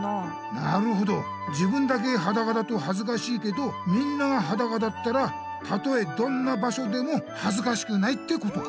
なるほど自分だけはだかだとはずかしいけどみんながはだかだったらたとえどんな場所でもはずかしくないってことか。